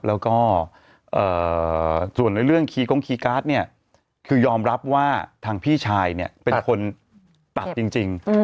แล้วก็ส่วนในเรื่องคีกงคีย์การ์ดเนี่ยคือยอมรับว่าทางพี่ชายเนี่ยเป็นคนตัดจริง